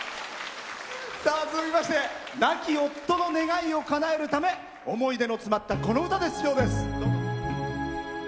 続きまして亡き夫の願いをかなえるため思い出の詰まったこの歌で出場です。